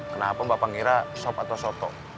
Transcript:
kenapa mbak pangerah sop atau soto